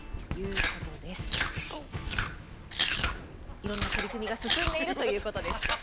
いろんな取り組みが進んでいるということです。